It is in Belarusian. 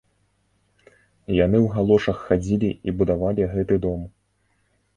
Яны ў галошах хадзілі і будавалі гэты дом.